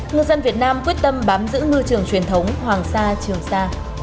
ngư dân việt nam quyết tâm bám giữ ngư trường truyền thống hoàng sa trường sa